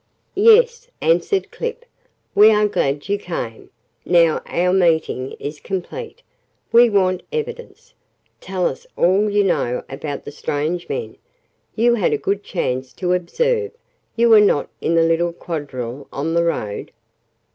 "Yes," answered Clip. "We are glad you came. Now our meeting is complete. We want evidence. Tell us all you know about the strange men. You had a good chance to observe. You were not in the little quadrille on the road."